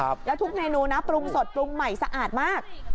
แล้วทุกเมนูนะปรุงสดปรุงใหม่สะอาดมาก